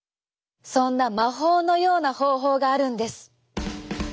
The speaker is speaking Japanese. そんな魔法のような方法があるんです。